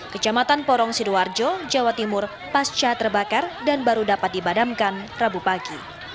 kecamatan porong sidoarjo jawa timur pasca terbakar dan baru dapat dibadamkan rabu pagi